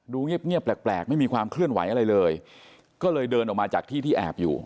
เงียบแปลกไม่มีความเคลื่อนไหวอะไรเลยก็เลยเดินออกมาจากที่ที่แอบอยู่